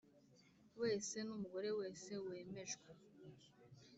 Wese n umugore wese wemejwe